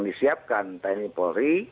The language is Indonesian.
disiapkan tni polri